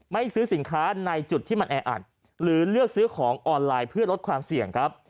ซื้อสินค้าในจุดที่มันแออัดหรือเลือกซื้อของออนไลน์เพื่อลดความเสี่ยงครับ